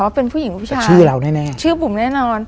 เป็นผู้หญิงผู้ชายชื่อเราแน่ชื่อบุ๋มแน่นอน